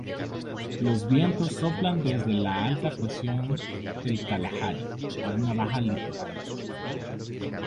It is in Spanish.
Los vientos soplan desde la alta presión del Kalahari a una baja litoral.